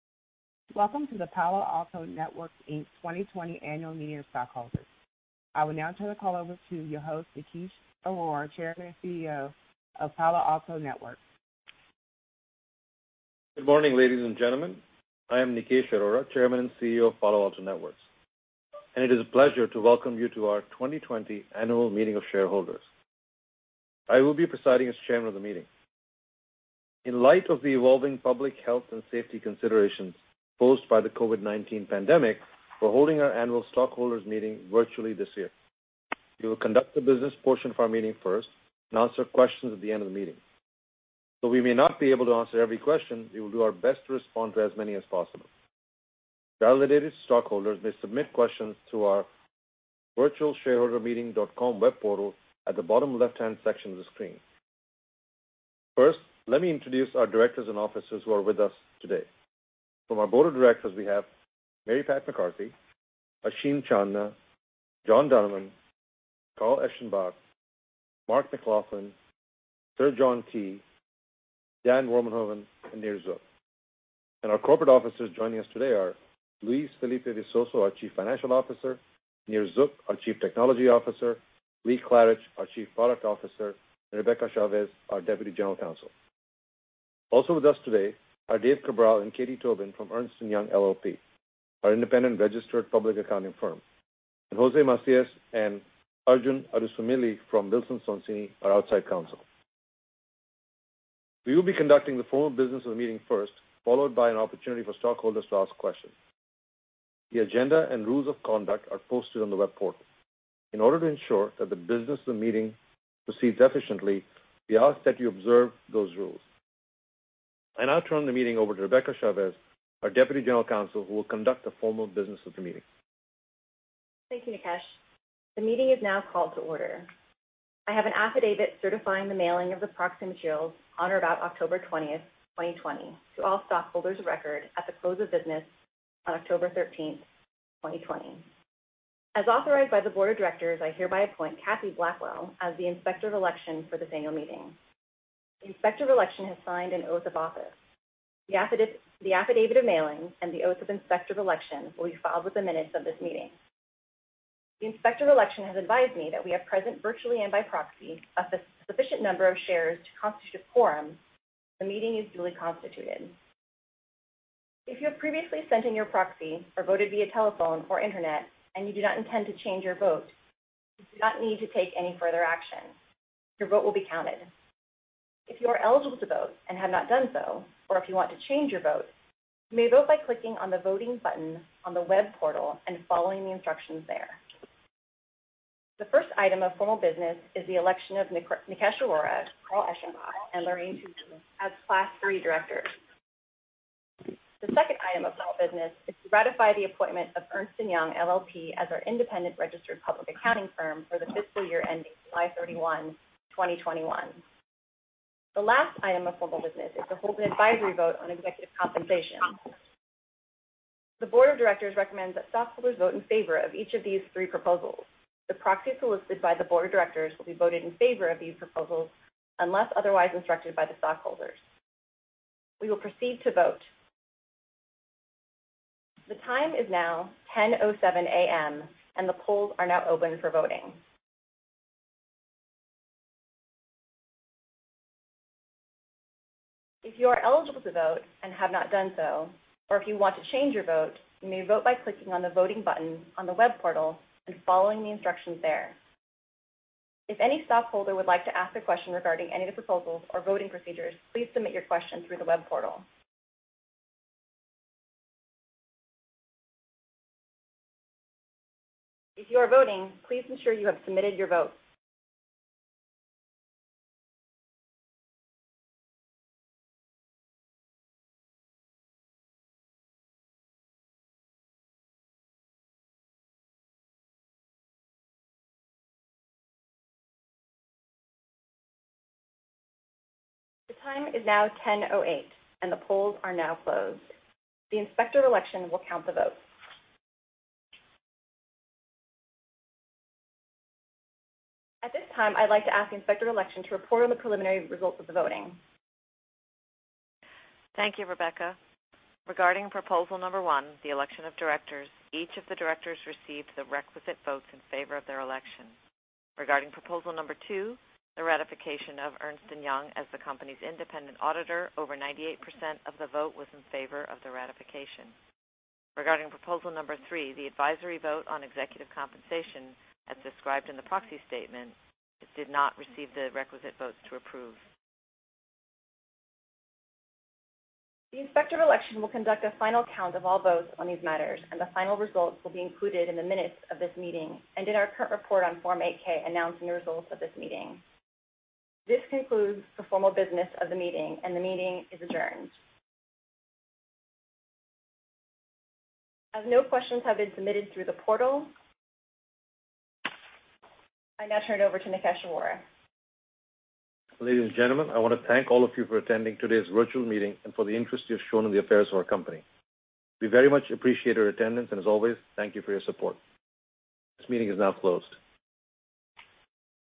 Welcome to the Palo Alto Networks Inc. 2020 annual meeting of stockholders. I will now turn the call over to your host, Nikesh Arora, Chairman and Chief Executive Officer of Palo Alto Networks. Good morning, ladies and gentlemen. I am Nikesh Arora, Chairman and Chief Executive Officer of Palo Alto Networks, and it is a pleasure to welcome you to our 2020 annual meeting of shareholders. I will be presiding as Chairman of the meeting. In light of the evolving public health and safety considerations posed by the COVID-19 pandemic, we're holding our annual stockholders meeting virtually this year. We will conduct the business portion of our meeting first and answer questions at the end of the meeting. Though we may not be able to answer every question, we will do our best to respond to as many as possible. Validated stockholders may submit questions through our virtualshareholdermeeting.com web portal at the bottom left-hand section of the screen. First, let me introduce our directors and officers who are with us today. From our board of directors, we have Mary Pat McCarthy, Asheem Chandna, John Donovan, Carl Eschenbach, Mark McLaughlin, Sir John Key, Dan Warmenhoven, and Nir Zuk. Our corporate officers joining us today are Luis Felipe Visoso, our Chief Financial Officer, Nir Zuk, our Chief Technology Officer, Lee Klarich, our Chief Product Officer, and Rebecca Chavez, our Deputy General Counsel. Also with us today are Dave Cabral and Katie Tobin from Ernst & Young LLP, our Independent Registered Public Accounting firm, and Jose Macias and Arjun Adusumilli from Wilson Sonsini, our outside counsel. We will be conducting the formal business of the meeting first, followed by an opportunity for stockholders to ask questions. The agenda and rules of conduct are posted on the web portal. In order to ensure that the business of the meeting proceeds efficiently, we ask that you observe those rules. I now turn the meeting over to Rebecca Chavez, our Deputy General Counsel, who will conduct the formal business of the meeting. Thank you, Nikesh. The meeting is now called to order. I have an affidavit certifying the mailing of the proxy materials on or about October 20, 2020 to all stockholders of record at the close of business on October 13, 2020. As authorized by the board of directors, I hereby appoint Kathy Blackwell as the Inspector of Election for this annual meeting. The Inspector of Election has signed an oath of office. The affidavit of mailing and the oath of Inspector of Election will be filed with the minutes of this meeting. The Inspector of Election has advised me that we have present virtually and by proxy a sufficient number of shares to constitute a quorum. The meeting is duly constituted. If you have previously sent in your proxy or voted via telephone or internet and you do not intend to change your vote, you do not need to take any further action. Your vote will be counted. If you are eligible to vote and have not done so, or if you want to change your vote, you may vote by clicking on the voting button on the web portal and following the instructions there. The first item of formal business is the election of Nikesh Arora, Carl Eschenbach, and Lorraine Twohill as Class III Directors. The second item of formal business is to ratify the appointment of Ernst & Young LLP as our Independent Registered Public Accounting firm for the fiscal year ending July 31, 2021. The last item of formal business is to hold an advisory vote on executive compensation. The board of directors recommends that stockholders vote in favor of each of these three proposals. The proxies solicited by the Board of Directors will be voted in favor of these proposals unless otherwise instructed by the stockholders. We will proceed to vote. The time is now 10:07 A.M., and the polls are now open for voting. If you are eligible to vote and have not done so, or if you want to change your vote, you may vote by clicking on the voting button on the web portal and following the instructions there. If any stockholder would like to ask a question regarding any of the proposals or voting procedures, please submit your question through the web portal. If you are voting, please ensure you have submitted your votes. The time is now 10:08 A.M., and the polls are now closed. The Inspector of Election will count the votes. At this time, I'd like to ask the Inspector of Election to report on the preliminary results of the voting Thank you, Rebecca. Regarding proposal number one, the election of Directors, each of the Directors received the requisite votes in favor of their election. Regarding proposal number two, the ratification of Ernst & Young as the company's Independent Auditor, over 98% of the vote was in favor of the ratification. Regarding proposal number three, the advisory vote on executive compensation, as described in the proxy statement, it did not receive the requisite votes to approve. The Inspector of Election will conduct a final count of all votes on these matters, and the final results will be included in the minutes of this meeting and in our current report on Form 8-K announcing the results of this meeting. This concludes the formal business of the meeting, and the meeting is adjourned. As no questions have been submitted through the portal, I now turn it over to Nikesh Arora. Ladies and gentlemen, I want to thank all of you for attending today's virtual meeting and for the interest you have shown in the affairs of our company. We very much appreciate your attendance, and as always, thank you for your support. This meeting is now closed.